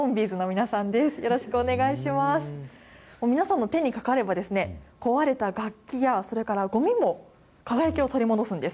皆さんの手にかかれば、壊れた楽器や、それからごみも輝きを取り戻すんです。